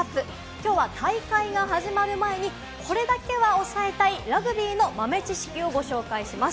きょうは大会が始まる前にこれだけはおさえたいラグビーの豆知識をご紹介します。